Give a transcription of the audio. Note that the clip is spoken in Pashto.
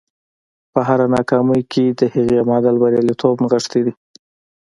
په هره ناکامۍ کې د هغې معادل بریالیتوب نغښتی دی